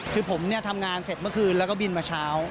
คือผมเนี่ยทำงานเสร็จเมื่อคืนแล้วก็บินมาเช้า